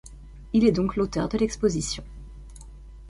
Il est donc l'auteur de l'exposition.